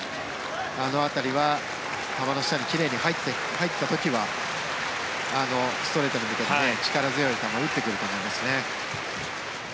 あの辺りは球の下に奇麗に入った時はストレートに力強い球を打ってくると思いますね。